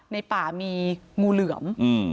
ในป่ามีงูเหลือม